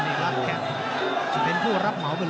เป็นรับแหงเป็นผู้รับเมาไปเลย